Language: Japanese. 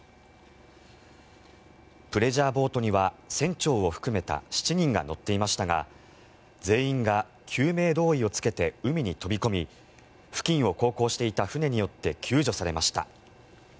プレジャーボートには船長を含めた７人が乗っていましたが全員が救命胴衣を着けて海に飛び込み付近を航行していた船によって救助されました。